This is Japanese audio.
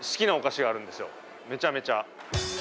めちゃめちゃ。